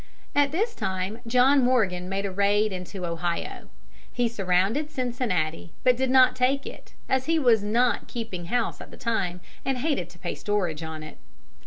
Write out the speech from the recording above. At this time John Morgan made a raid into Ohio. He surrounded Cincinnati, but did not take it, as he was not keeping house at the time and hated to pay storage on it.